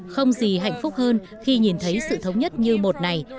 không gì hạnh phúc hơn khi nhìn thấy sự thống nhất như một này